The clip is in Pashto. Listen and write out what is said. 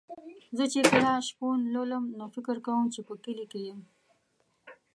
زه چې کله شپون لولم نو فکر کوم چې په کلي کې یم.